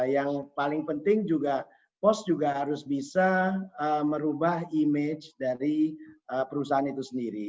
yang paling penting juga pos juga harus bisa merubah image dari perusahaan itu sendiri